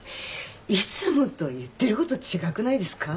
いつもと言ってること違くないですか？